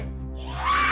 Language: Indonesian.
wah lihat nih